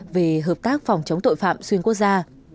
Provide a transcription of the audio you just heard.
về hợp tác phòng chống tội phạm xuyên quốc gia